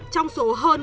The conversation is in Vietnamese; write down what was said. trong số hơn bốn mươi hai